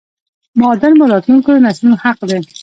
معادن مو راتلونکو نسلونو حق دی